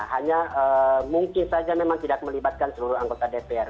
hanya mungkin saja memang tidak melibatkan seluruh anggota dpr